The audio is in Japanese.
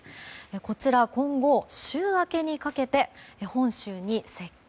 こちら今後、週明けにかけて本州に接近